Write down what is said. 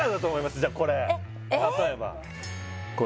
じゃあこれ例えばこれ？